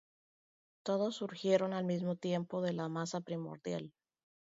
Todos surgieron al mismo tiempo de la masa primordial.